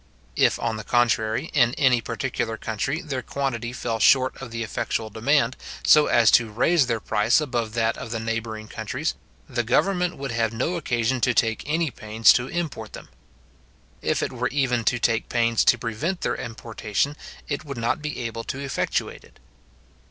If, on the contrary, in any particular country, their quantity fell short of the effectual demand, so as to raise their price above that of the neighbouring countries, the government would have no occasion to take any pains to import them. If it were even to take pains to prevent their importation, it would not be able to effectuate it.